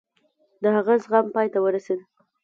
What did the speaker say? د هغه زغم پای ته ورسېد.